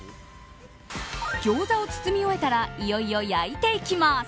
ギョーザを包み終えたらいよいよ焼いていきます。